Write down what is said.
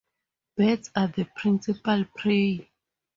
Birds are the principal prey.